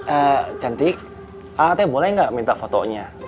eee cantik aa teh boleh gak minta fotonya